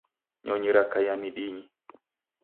Nyonyi rakaria midinyi.